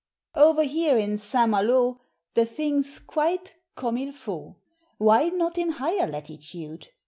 O'er here in St. Mal├│ The thing's quite comme il faut; Why not in higher latitude?